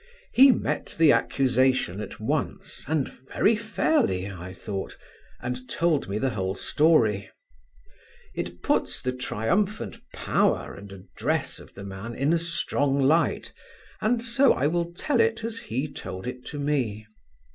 He met the accusation at once and very fairly, I thought, and told me the whole story. It puts the triumphant power and address of the man in a strong light, and so I will tell it as he told it to me.